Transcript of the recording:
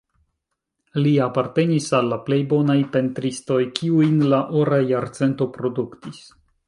Li apartenis al la plej bonaj pentristoj kiujn la Ora jarcento produktis.